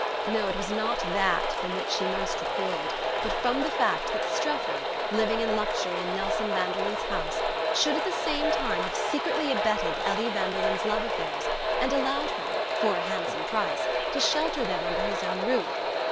No, it was not that from which she most recoiled, but from the fact that Strefford, living in luxury in Nelson Vanderlyn's house, should at the same time have secretly abetted Ellie Vanderlyn's love affairs, and allowed her for a handsome price to shelter them under his own roof.